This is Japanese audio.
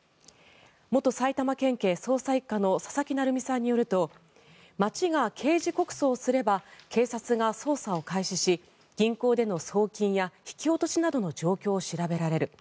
元埼玉県警捜査１課の佐々木成三さんによると町が刑事告訴をすれば警察が捜査を開始し銀行での送金や引き落としなどの状況を調べられる。